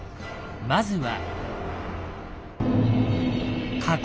まずは。